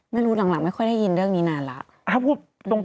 ไม่รู้หลังหลังไม่ค่อยได้ยินเรื่องนี้นานละถ้าพูดตรง